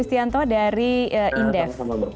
dianto dari indef